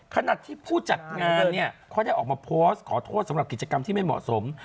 ขณะที่ผู้จัดงานเนี่ยเขาได้ออกมาโพสต์ขอโทษสำหรับกิจกรรมที่ไม่เหมาะสม